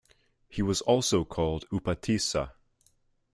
He was also called Upatissa.